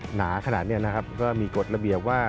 หนาขนาดนี้นะครับก็มีกฎระเบียบว่า